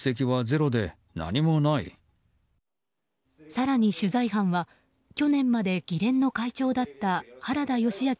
更に取材班は去年まで議連の会長だった原田義昭